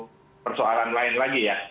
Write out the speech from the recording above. ini juga persoalan lain lagi ya